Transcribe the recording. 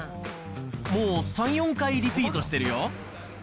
もう３、４回リピートしてるよ。